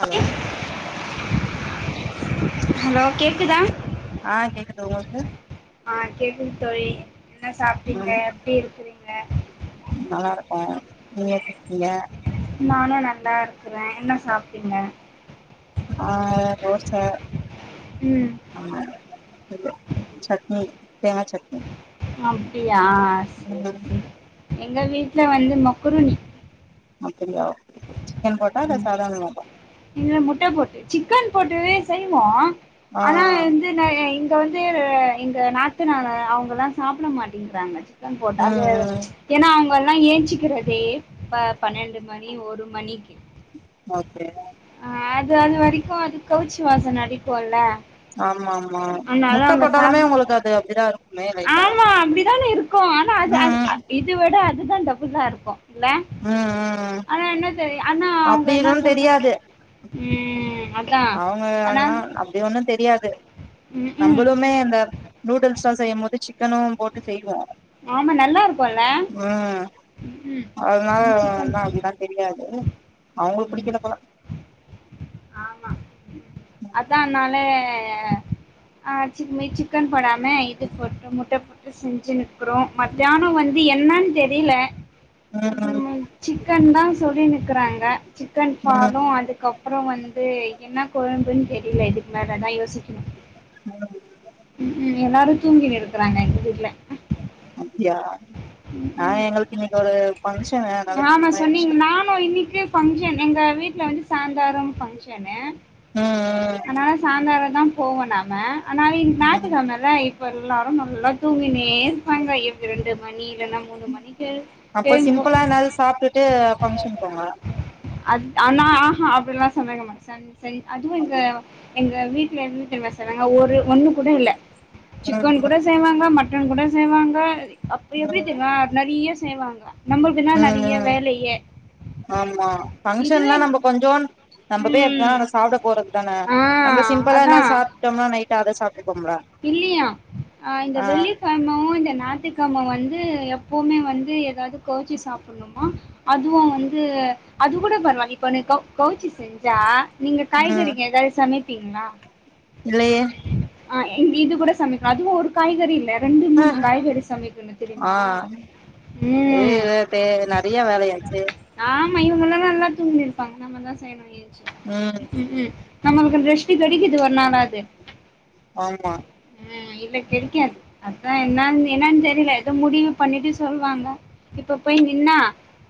hello hello கேட்க்குதா ஆ கேக்குது உங்களுக்கு ஆ கேக்குது தோழி என்ன சாப்பிட்டீங்கெ ம் எப்டி இருக்கிறீங்க நல்லா இருக்கோ நீங்க எப்டி இருக்கீங்க நானு நல்லா இருக்க றே என்ன சாப்பிட்டீங்க ஆ தோச ம் ஆ சொல்லு சட்னி தேங்கா சட்னி அப்டியா செரி ம் செரி எங்க வீட்ல வந்து மக்குருனி அப்டியா சிக்கன் போட்டா இல்ல சாதாரணமாவா இல்ல முட்ட போட்டு சிக்கன் போட்டு செய்வோ ஆ ஆனா வ ஆ வெந்து நாயென் இன் இங்க வந்து இந்த நாத்தனார அவுங்கலா சாப்ட மாட்டேங்கிறாங்க ம் ம் ஏன்னா அவுங் இப்பெல்லா ஏஞ்சுக்கிறதே ப பன்னெண்டு மணி ஒரு மணிக்கு ஓகே ஆ அது அது வரைக்கு அது கௌவுச்சி வாசோன அடிக்குல்ல ஆமா ஆமா ஆனாலு முட்ட அங்க போட்டாலுமே சாப்ட ஒங்களுக்கு அது அப்டிதா இருக்குமே லைட்டா ஆமா அப்டிதானே இருக்கு ஆனா அது அது ம் இது விட அது இதா டபுள்ளா இருக்கு இல்ல ம் ம் ம் ஆனா என்ன தெரி ஆனா அவுங்க அப்டி என்ன எதுவு சொல்ற ங்யே அவுங்கயெனா அப்டி ஒண்ணு தெரியாது ம் ம் நம்மளுமே அந்த நூடுல்சஸ் செய்யு மோது சிக்கனு போட்டு செய்வோ ஆமா நல்லாருக்கு இல்ல ம் அதனால என்ன அப்டிதா தெரியாது அவுங்களுக் புடிக்கல போல அத்தானாலே அ ஆ சிக் மே சிக்கன் போடாம இது போட்டு முட்ட போட்டு செஞ்சினு க்றோ மத்யான வந்து என்னன் தெரியில அது ம் ம சிக்கன் தா சொல்லினு இக்குறாங்க சிக்கன் பாலு ம் அதுக்கப் அப்ற வந்து என்ன கொழும்புன் தெரியில இதுக்கு மேலதா யோசிக்கனு [unintelligible] எல்லாரு தூங்கினு இருக்குறாங்க எங்க வீட்ல அப்டியா நா ம் எங்களுக்கு இன்னைக்கு ஒரு ஃபங்க்ஷனு அதனால க்ம் ஃப்ரீயா ஆமா சொன்னீங்க ஆயிடுச்சு நானு இன்னிக்கு ஃபங் என் எங்க வீட்ல வந்து சாயந்தரோ ஃபங்கஷனு ம் அனால சாயந்தாரோ நா போவோ நாம ஆனா இன் ம் ம் ஞாயித்துக்கெழமல்ல இப்போ எல்லாரு நல்லா தூங்கினேரு பாங்க எவ்வி ரெண்டு மணி இல்லனா முணு மணிக்கு அப்ப சேந்து போ சிம்பிளா என்னாது சாப்ட்டுட்டு ஃபங்க்ஷன் போங்க அத் ஆனா ஆஹா அப்டிலா சொன்னேங்க மேட சன் சரி அதுவு எங்க அப்டின் எங்க வீட் டல என்ன தெரியுமா சொன்னாங்க ஒரு ஒண்ணு கூட இல்ல ம் சிக்கன் கூட ம் செய்வாங்க மட்டன் கூட செய்வாங்க அப்டி எப்டி ம் தெரியுமா நறிய செய்வாங்க நம்முள்க்குதா ம் நெறய வேலையே இதுவே ஃபங்க்ஷனா நம்ப கொஞ்சோ நம்ப போய் எப்டி ம் இருந்தாலு அங்க சாப்ட போறது தான ஆ நம்ம சிம்பிளா என்ன சாப்ட்டோமா நைட்டு அத சாப் இல்லியா ஆ இந்த வெள்ளிக்கெழமோ இந்த ஞாத்து கெழம வந்து எப்பவுமே வந்து எதாவது கோவுச்சி சாப்புட்னுமா அதுவு வந்து அது கூட பரவால இப்ப நே கவ் கவுச்சி செஞ்சா நீங்க காய்கறிங்க ஏதாவது சமைப்பீங்ளா இல்லயே ஆ இங் இது கூட சமைக்குனு அதுவு ஒரு காய்கறி இல்ல ரெண்டு மூணு காய்கறி சமைக்கனு தெரியுமா ஏ ம் நேத்தே நெறய வேலையாய்ச்சி ஆனா இவங்கெல்லலா நல்லா தூங்கி இருப்பாங்க நம்ம தா செய்யனு எந்ச்சி ம் ம் நம்மளுக்கு ரெஸ் டு கெடைக்குது ஒரு நாள் ஆது ஆமா ஆ இல்ல கெடிக்காது அதா என்ன என்னன் தெரில எதோ முடிவு பண்ணிட்டு சொல்வாங்க இப்ப போய் நின்னா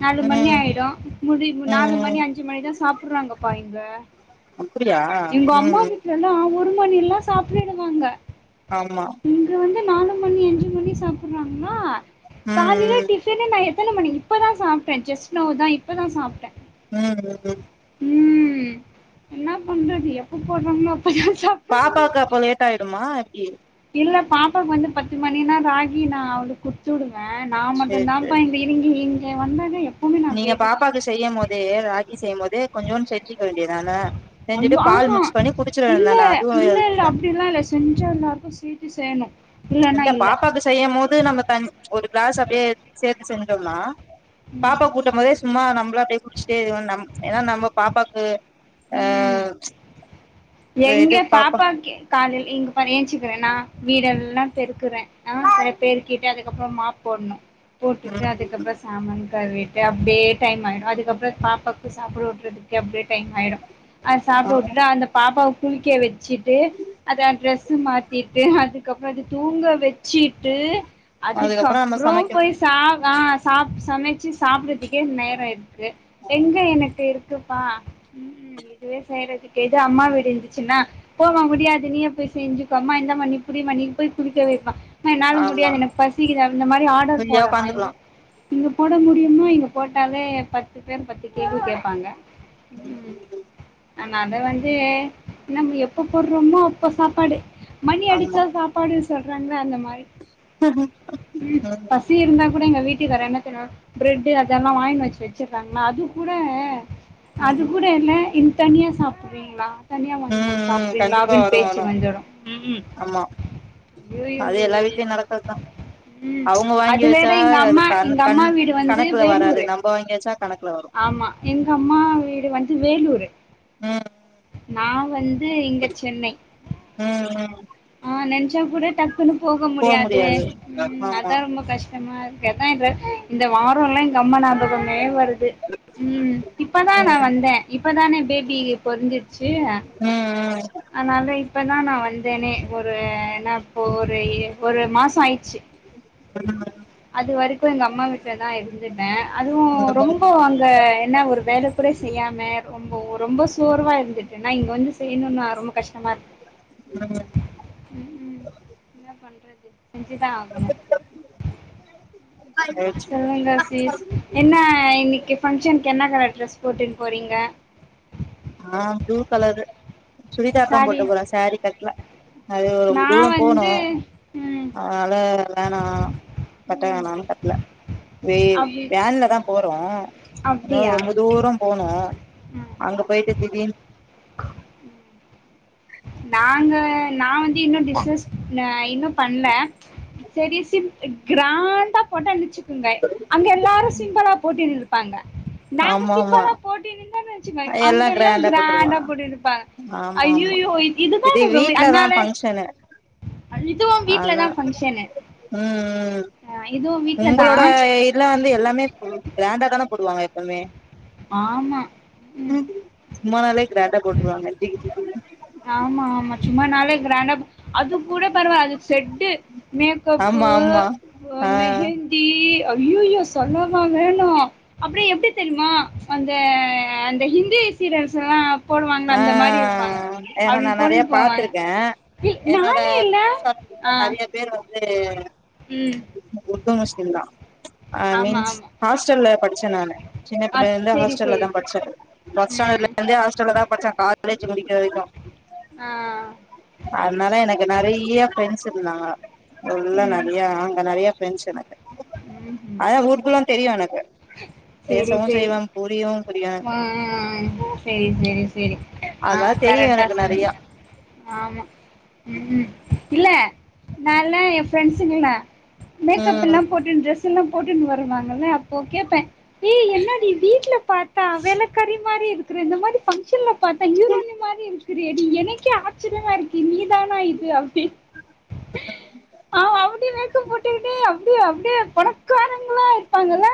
நாலு மணி ம் ஆயிடு முடி நாலு ம் மணி அஞ்சு மணி தா சாப்புட்றாங்கப்பா இங்க அப்டியா எங்கொம்மா ம் வீட்ல எல்லா ஒ ரு மணில்லா சாப்ருருவாங்க ஆமா இங்க வந்து நாலு மணி அஞ்சு மணி சாப்பறாங்ளா ம் காலைல ம் டிபனே நா எத்தன மணி இப்ப தா சாப்ட்டே ஜெஸ் நவ் தா இப்ப தா சாப்ட்ட ம் ம் ம் ம் என்ன பண்றது எப்ப போட்றாங்ளோ அப்ப தான சாப்ட முடியு பாப்பாக்கு அப்போ லேட் ஆயிடுமா எப்டி இல்ல பாப்பாக்கு வந்து பத்து மணினா ராகி நா அவளுக்கு குட்த்துடு வே நா மட்டு சேரி தா பா சேரி இந்த இனுங்கி இங்க வந்தோனே எப் நீங்க பாப்பாக்கு செய்யு போதே ராகி செய்யு போதே கொஞ்சோன் செஞ்சிக்க வேண் ஐயோ ஆஹா குடிச்சிட இல்ல வேண்டியதான அதுவு இல்ல ஹெல்தி இல்ல தா அப்டிலா இல்ல செஞ்சா எல்லாருக்கு சீத்து செய்னு இல்ல பாப்பாக்கு செய்யு போது நம்ம தண் ஒரு கிளாஸ் அப்டியே சேத்து செஞ்சோம்னா பாப்பாக்கு ஊட்ட போதே சும்மா நம்ளு அப்டியே குடிச்சிட்டே இவ நம் ஏனா நம்ம பாப்பாக்கு ம் ஆஹ் எங்க பாப்பாக்கு காலைல் எ இங்க பாரு என் சித் க்குர நா வீடெல்லா பெருக்குற ஆஹ் அது பெருக்கீட்டு அதுக்கப்றம் மாப் போட்ணு போட்டுட்டு ம் அதுக்கப்ற சாமான் கழுவி டு அப்டியே டைம் ஆயிடு அதுக்கப்றோ பாப்பாக்கு சாப்பாடு ஊட்றதுக்கு அப்டியே டைம் ஆயிடு அது சாப்ட ஆமா உட்டுட்டாந்த பாப்பாவ குளிக்க வெச்சுட்டு அத டிரெஸ்சு மாத்திட்டு அதுக்கப்ற அது தூங்க வெச்சு ட்டு அதுக்கப்புறோ நம்ம அதுக்கப்றோ சமைக்கணு போய் சாப் ஆ சாப் சமச்சு சாப்றதுக்கே நேரோ இருக்கு எங்க எனக்கு இருக்கு பா ம் ம் இதுவே செய்றதுக்கே து அம்மா வீடிருந்துச்சுன்னா போமா முடியாது நீயே போய் செஞ்சுக்கோ அம்மா இந்தா நீ புடி மா நீ போய் துணி தொவ மா என்னால ஆமா முடியாது எனக்கு பசிக்குதா அந்த மாரி ஆர்டர் ஃப்ரீயா போடலா உக்காந்துக்கலா எங்க இங்க போட முடியுமா இங்க போட்டாலே பத்து பேர் பத்து கேள்வி கேப்பாங்க ம் ஆனா அத வந் எ நம்ம எப்ப போட்றோமோ அப்போ சாப்பாடு மணி ஆமா அடிச்சா சாப்பாடு சொல்றாங்ல அந்த மாரி ம் பசி இருந்தா கூட எங்க வீட் ட்டி வேரென்ன [unintelligible] பிரெட்டு அதல்லா வாங்கினு வச் வெச்சுர்ராங்லா அது கூட அது ம் கூட இல்ல இன் தனியா சாப்புட்றீங்ளா தனியா வாங்கினு ம் வந்து ம் சாப்றீங்களா கண்டிப்பா அப்டின் வரு பேச்சு வரு வந்துரு ம் ம் ஆமா அது எல்லா வீட்லயு நடக்கறது தா ம் அவுங்க வாங்கி அது வேற வெச்சா எங்க அது அம்மா கண எங்க கண் அம்மா வீடு வந்து கணக்குல வராது வேலூரு நம்ப வாங்கி வெச்சா கணக்குல வரு ஆமா எங்கம்மா வீடு வந்து வேலூரு ம் நா வந்து இங்க சென்னை ம் ம் ஆஹ் நென்ச்சா கூட டக் க்குன்னு போக போ முடியாதே முடியாது ம் ஆமா அதா ரொம்போ கஷ் டமா இருக்கு அதா இது இந்த வாரோல்லா எங்கம்மா ஞா பகமே வருது ம் இப்ப தா நா ம் வந்தே இப்ப தானே பேபி பொரந்து ச்சு ம் அனால இப்ப தா நா வந்தனே ஒரு என்னாப்போ ஒரு ஒரு மாசோ ஆயிட்ச்சு ம் அது வரைக்கு எங்கம்மா வீட்ல தா இருந்துட்ட அதுவு ரொம்போ ம் அங்க என்ன ஒரு வேலக்கூட செய் செய்யாம ரொம்போ ரொம்போ சோர்வா இருந்துட்டனா இங்க வந்து செய்ணுனா ரொம்ப கஷ்டமா இருக் ம் ம் என்ன பண்றது செஞ்சு தா ஆகணு ம் ம் சொல்லுங்க சீஸ் என்ன இன்னைக்கு ஃபங்க்ஷன்க்கு என்ன கலர் டிரெஸ் போட்டுன் போறீங்க ஆஹ் ப்ளூ கலரு சுடிதார் தா சாரி போட்டு போற சாரி கட்ல அது ரொம்ப நா தூரம் போனு வந்து ம் அதுனால வேனா கட்ட வேணானு கட்ல வேவ் அப்டி வேன்ல தா போறோ [unintelligible] அப்டியா ரொம்ப தூரோ போனு அங்க போய்ட்டு திடீர்ன் நாங்க நா வந்து இன்னு டிஸ்சஸ் ந இன்னு பண்ல செரி சிம் கிராண்டா போட்டா [unintelligible] ங்க் அங்க எல்லாரு சிம்பளா போட்டினுருப்பாங்க நாங்க ஆமா ஆமா சிம்பளா போட்டிருந்தோன் வெ ச்சுங்காய் எல்லா அங்கெல்லா கிராண்டா போட்ருவாங்க போடிருப்பாங்க ஆமா ஆமா ஐயோயோ இதுதா இது எனக்ருமே வீட்லதா அனால ஃபங்க்ஷனு இதுவு அதா வீட்லதா ஃபங்க்ஷனு ம் ம் இதுவு வீட்ல தா உங்களோட இதுல வந்து எல்லாமே கிராண்டா தான போடுவாங்க எப்போமே ஆமா ம் சும்மா நாளே கிராண்டா போட்ருவாங்க [unintelligible] ஆமா ஆமா சும்மா நாளே கிராண்டா அது கூட பரவா அதுக் செட்டு மேக்கப் பு ஆமா ஆமா ஆ மெஹந்தி அய்யோயோ செம ம்மா வேணும் அப்டி எப்டி தெரிமா அந்த அந்த ஹிந்தி சீரர்ஸ் எல்லா போடுவாங்கல ஆ அந்த மாரி இருப்பாங்க ஏன்னா அப்டி நா பொண்ணு நெறைய போவாங்க பாத்திருக்கே இ என்னோட நானு இல்ல ஆ சேரி ம் உர்து முஸ்லீம்ங்லா ஐ ஆமா மீன்ஸ் ஆமா ஹாஸ்டல்ல படி ச்ச நானு ஜின்ன ஆ பிள்ளைல செரி ஹாஸ்டல்ல செரி தா செரி படிச்சே ஃபஸ்டாண்டர்ல ம் இருந்தே ஹாஸ்டல்ல தா பச்ச காலேஜ் முடிக்க வரைக்கும் ஆ அதனால எனக்கு நெறைய ஃப்ரெண்ட்ஸ்சு இருந்தாங்க உள்ள ம் நெறைய அங்க நெறைய ப்ரெண்ட்ஸ்சு எனக்கு ம் ம் அதா ஊருக்குல்லா தெரியும் எனக்கு செரி பேசவு செரி செய்வே புரியவு புரியு ஆ எனக்கு செரி செரி செரி ஆ அதெல்லா தெரியு கரெக்டா எனக்கு சொ நெறையா ஆமா உம் இல்ல நால்ல என் ப்ரெண்ட்ஸங்கள மேக்கப் எல்லா ம் போட்டு ட்ரெஸ்சு எல்லா போட்டுன் வருவாங்கள ஓகேப்பன் ஏ என்னடி வீட்ல பாத்தா வேலக்கறி மாரி இருக்குற இந்த மாதிரி ஃபங்க்ஷன்ல பாத்தா ஹீரோன்னு மாரி இருக்குரியேடி எனக்கே ஆச்சர்யமா இருக்கு நீ தானா இது அப்டி பாவோ அவ்ங்களே போட்டுகிட்டே அப்டியே அப்டியே பணக்காரங்களா இருப்பாங்கள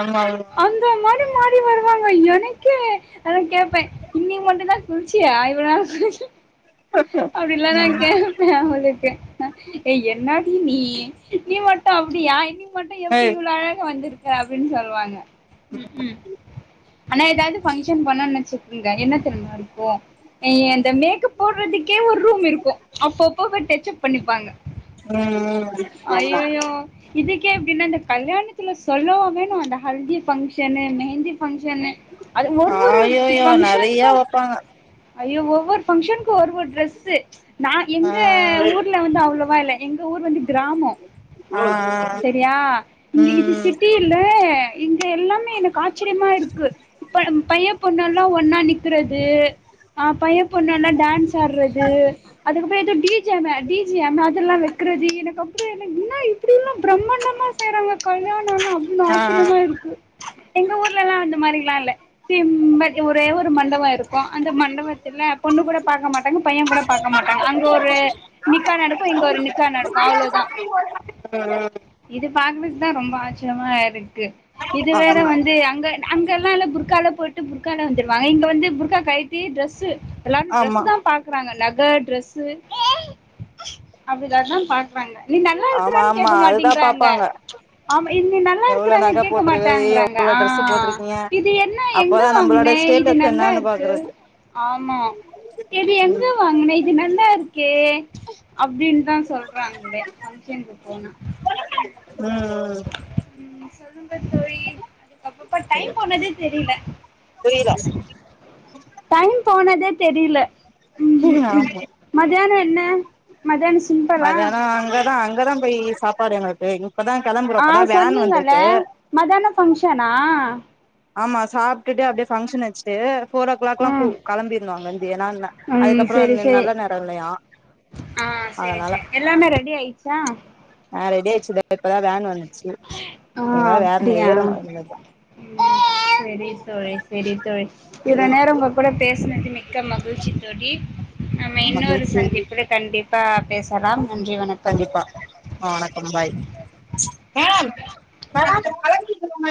ஆமா ஆமா அந்த மாரி மாறி வருவாங்க எனக்கே அதா கேப்பே இன்னிக்கு மட்டுந்தா குளிச்சியா இவ்ள நாலா குளிக் ம் அப்படின்லா நா கேப்பே அவளுக்கு ஏ என்னாடி நீ நீ மட்டு அப்டியா நீ மட்டு எப்டி ஏய் இவ்ள அழகா வந்திருக்க அப்டின்னு சொல்வாங்க ம் ம் ஆனா எதாவது பங்க்ஷன் போனான் வெச்சுக்கங்க என்ன தெரிமா இருக்கு எ அத மேக்கப் போடுறதுக்கே ஒரு ரூம் இருக்கு அப்பப்ப போ டச் அப் பண்ணிப்பாங்க ம் ஆமா ஐயயோ இதுக்கே இப்டின்னா அந்த கல்யாணத்துல சொல்லவா வேணு அந்த ஹல்தி பங்க்ஷனு மெஹந்தி பங்க்ஷ னு அது ஒரு ஒரு ஆயோயோ நெறைய பங்ஷனுக்கு வப்பாங்க ஐயோ ஒவ்வொரு பங்க்ஷனுக்கு ஒ ஒரு ஒரு டிரெஸ்ஸு நா ஆ எங்க ஊர்ல வந்து அவ்வளவா இல்ல எங்க ஊர் வந்து கிராம ஆ செரியா இது ம் சிட்டியில்லே இங்க எல்லாமே எனக்கு ஆச்சரியமா இருக்கு இப்ப நம்ம பைய பொண்ணு எல்லா ஒன்னா நிக்கறது ஆ பைய பொண்ணு எல்லா டான்ஸ் ஆடுறது அதுக்கப்புற எதோ டி ஜே வே டி ஜே அதெல்லா வெக் கிறது இது அப்புற என்ன இன்னா இப்படி எல்லா பிரம்மாண்டமா செய்யறாங்க கல்யாணனா அப்டின்னு ஆ ஆச்சரியமா ம் இருக்கு எங்க ஊர்லலா இந்த மாரிலா இல்ல சிம்ம ஒரே ஒரு மண்டப இரு க்கு அந்த மண்டபத்துல பொண்ணு கூட பாக்க மாட்டாங்க பைய கூட பாக்க மாட்டாங்க அங்க ஒரு நிக்கா நடக்கு இங்க ஒரு நிக்கா நடக்கு அவ்ளோதா இது பாக்கவே தா ரொம்ப ஆச்சரியமா இருக்கு இது ஆமா வேற ஆமா வந்து அங்க அங் கெல்லா எல்லா புர்கால போயிட்டு புர்கால வந்துருவாங்க இங்க வந்து புர்கா கழட்டி டிரெஸ்சு எல்லாரு ட்ரெஸ்ஸுதா ஆமா பாக்குறாங்க நக ட்ரெஸ்ஸு அப்டிதாதா பாக் நீ நல்லா இருக்றியான் ஆமா கேக்க அதுதா மாட்டேங்கிறாங்க பாப்பாங்க ஆமா இ நீ நல்லா எவ்ளோ இருக்றான் நக கேக்க போட்ருக்குது மாட்டாங்குறாங்க எவ்ளோ ஆ ட்ரெஸ்ஸு போட்ருக்கீங்க இது என்ன எங்க அப்பதா வாங்குன நம்பளோட ஆ இது ஸ்டேட்டஸ் நல்லா என்னான்னு இருக்கு பாக்குறது ஆமா இது எங்க ம் வாங்குன இது நல்லா இருக்கே அப்டின்தா சொல் சொல்றாங்களே ஃபங்க்ஷன்க்கு போனா ம் சொல்லுங்க தோழி அப்பப்பா டைம் போனதே தெரிய்ல புரில டைம் போனதே தெரில ஆமா ம் மத்யானொ என்ன மத்யானொ மத்யானொ அங்கதா அங்கதா போய் சாப்பாடு எங்களுக்கு இப்பதா கெளம்புறோ ஆ இப்பதா வேன் சொன்னீங்கள வந்திருக்கு மத்யானொ பங்க்ஷனா ஆமா சாப்பிட்டுட்டு அப்டியே பங்க்ஷன் வச்சுட்டு போர் ஓ கிளாக் எல்லா கு ம் கெளம்பிரணு அங்கிருந்து ஏன்னா ந ம் அதுக்கப்புறோ செரி செரி நல்ல நேரோ இல்லையா ஆ செரி அதனால செரி எல்லாமே ரெடி ஆயிச்சா ஆ ரெடியிச்சு இத இப்பதா வேன் வந்துச்சு ஆ இனி வேற வேன்ல அப்டியா ஏறனு இனிமேல்தா [unintelligible] செரி தோழி செரி தோழி இவளோ நேரோ உங்க கூட பேசினது மிக்க மகிழ்ச்சி தோழி ஆமா இன்னொரு மகிழ்ச்சி சந்திப்புல கண்டிப்பா பேசலாம் நன்றி வணக்கம் கண்டிப்பா அ வணக்கம் பாய் மேடம் மேடம் ஹலோ கேக்குதுங்களா